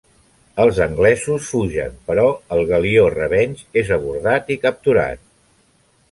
Els anglesos fugen però el galió Revenge és abordat i capturat.